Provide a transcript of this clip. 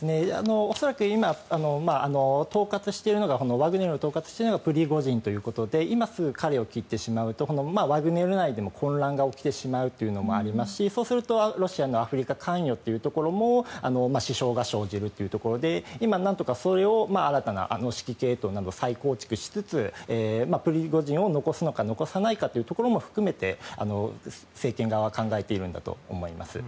恐らく、今統括しているのがこのワグネルを統括しているのがプリゴジンということで今すぐ彼を切ってしまうとワグネル内でも混乱が起きてしまうっていうのもありますしそうするとロシアのアフリカ関与というところも支障が生じるというところで今、なんとかそれを新たな指揮系統などを再構築しつつプリゴジンを残すのか残さないかというのも含めて政権側は考えているんだと思います。